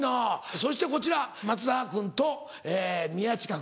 そしてこちら松田君と宮近君。